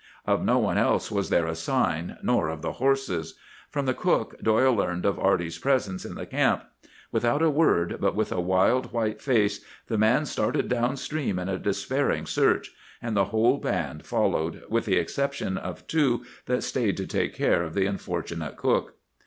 Of no one else was there a sign, nor of the horses. From the cook, Doyle learned of Arty's presence in the camp. Without a word, but with a wild, white face, the man started down stream in a despairing search; and the whole band followed, with the exception of two that stayed to take care of the unfortunate cook.